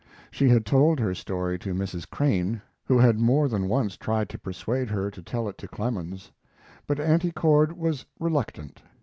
She had told her story to Mrs. Crane, who had more than once tried to persuade her to tell it to Clemens; but Auntie Cord was reluctant.